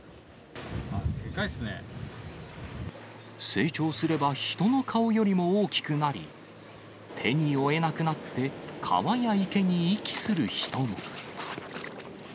成長すれば人の顔よりも大きくなり、手に負えなくなって、川や池に遺棄する人も。